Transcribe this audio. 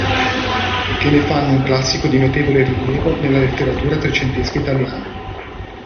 Che ne fanno un classico di notevole rilievo nella letteratura trecentesca italiana.